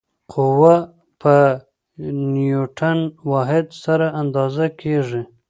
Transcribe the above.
قوه په نیوټن واحد سره اندازه کېږي.